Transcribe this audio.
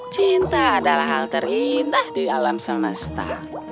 cinta adalah hal terindah di alam semesta